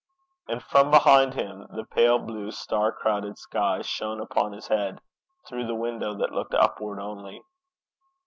And from behind him, the pale blue, star crowded sky shone upon his head, through the window that looked upwards only.